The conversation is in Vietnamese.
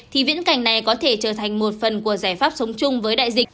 thì viễn cảnh này có thể trở thành một phần của giải pháp sống chung với đại dịch